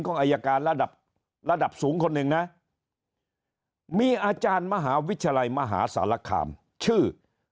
อายการระดับระดับสูงคนหนึ่งนะมีอาจารย์มหาวิทยาลัยมหาสารคามชื่อ